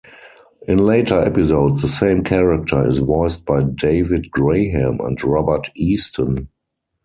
In later episodes the same character is voiced by David Graham and Robert Easton.